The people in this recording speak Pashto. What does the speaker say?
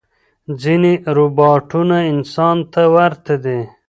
ځینې روباټونه انسان ته ورته دي.